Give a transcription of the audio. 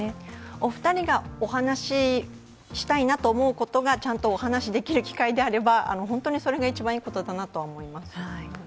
お二人がお話したいと思うことがきちんとお話できる機会であれば本当にそれが一番いいことだなと思います。